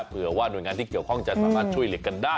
เผื่อว่าหน่วยงานที่เกี่ยวข้องจะสามารถช่วยเหลือกันได้